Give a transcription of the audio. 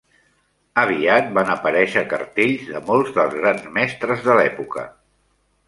Aviat van aparèixer cartells de molts dels grans mestres de l'època.